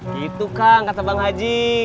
gitu kang kata bang haji